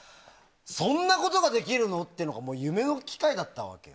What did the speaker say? そんなことができるの？って夢の機械だったわけよ。